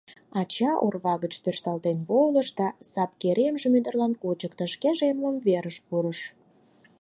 Ача орва гыч тӧрштен волыш да сапкеремжым ӱдырлан кучыктыш, шкеже эмлымверыш пурыш.